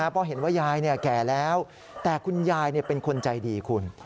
เพราะเห็นว่ายายแก่แล้วแต่คุณยายเป็นคนใจดีคุณ